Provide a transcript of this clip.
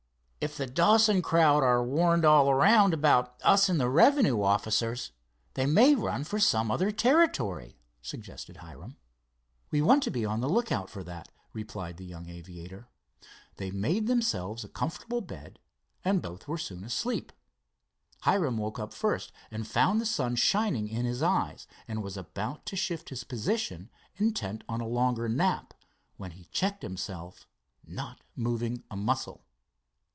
"If the Dawson crowd are warned all around about us and the revenue officers, they may run for some other territory," suggested Hiram. "We want to be on the lookout for that," replied the young aviator. They made themselves a comfortable bed, and both were soon asleep. Hiram woke up first; and found the sun shining in his eyes, and was about to shift his position, intent on a longer nap, when he checked himself not moving a muscle.